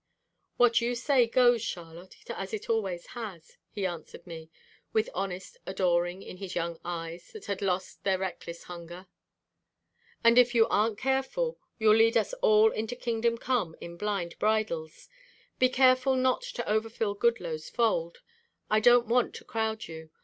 "What you say goes, Charlotte, as it always has," he answered me, with honest adoring in his young eyes that had lost their reckless hunger. "And if you aren't careful you'll lead us all into Kingdom Come in blind bridles. Be careful not to over fill Goodloe's fold. I don't want to crowd you.